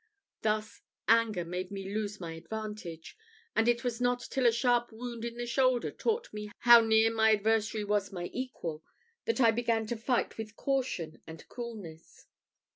Thus, anger made me lose my advantage; and it was not till a sharp wound in the shoulder taught me how near my adversary was my equal, that I began to fight with caution and coolness.